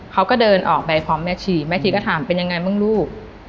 เขาก็เดินออกไปพร้อมแม่ชีแม่ชีก็ถามเป็นยังไงบ้างลูก